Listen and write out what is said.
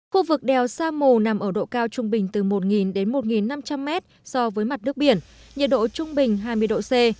khu vực đèo sa mù nằm ở độ cao trung bình từ một đến một năm trăm linh mét so với mặt nước biển nhiệt độ trung bình hai mươi độ c